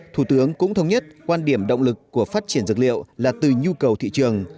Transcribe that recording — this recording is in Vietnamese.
thủ tướng cũng thống nhất quan điểm động lực của phát triển dược liệu là từ nhu cầu thị trường